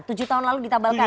tujuh tahun lalu ditabalkan